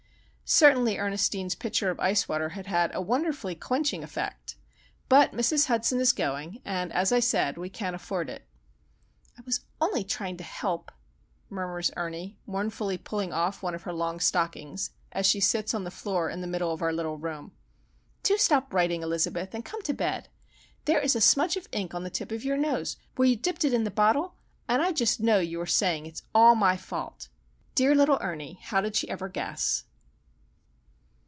Certainly, Ernestine's pitcher of ice water had had a wonderfully quenching effect! But Mrs. Hudson is going, and, as I said, we can't afford it. "I was only trying to help," murmurs Ernie, mournfully pulling off one of her long stockings, as she sits on the floor in the middle of our little room. "Do stop writing, Elizabeth, and come to bed. There is a smudge of ink on the tip of your nose where you dipped it in the bottle, and I just know you are saying it is all my fault!" Dear little Ernie, how did she ever guess?